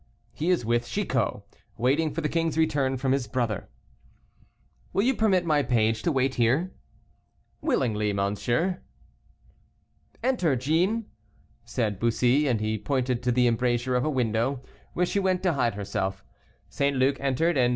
"He is with Chicot, waiting for the king's return from his brother." "Will you permit my page to wait here?" "Willingly, monsieur." "Enter, Jean," said Bussy, and he pointed to the embrasure of a window, where she went to hide herself. St. Luc entered, and M.